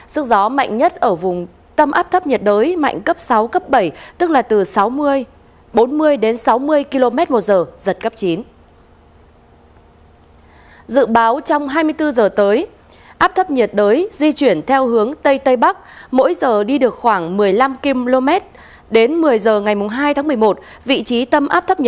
sức gió mạnh nhất ở vùng tâm áp thấp nhiệt đới mạnh cấp sáu cấp bảy tức là từ sáu mươi bốn mươi đến sáu mươi km một giờ giật cấp chín